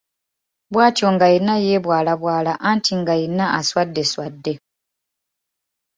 Bwatyo nga yenna yeebwalabwala anti nga yenna aswadde swadde.